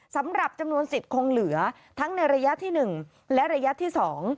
สำหรับจำนวนสิทธิ์คงเหลือทั้งในระยะที่๑และระยะที่๒